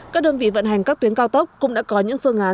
các đơn vị vận hành các tuyến cao tốc cũng đã có những phương án